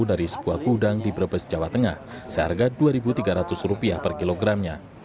dari sebuah gudang di brebes jawa tengah seharga rp dua tiga ratus per kilogramnya